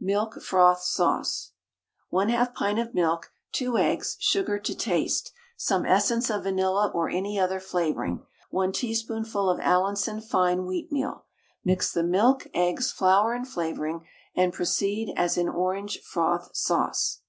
MILK FROTH SAUCE. 1/2 pint of milk, 2 eggs, sugar to taste, some essence of vanilla or any other flavouring, 1 teaspoonful of Allinson fine wheatmeal. Mix the milk, eggs, flour, and flavouring, and proceed as in "Orange Froth Sauce."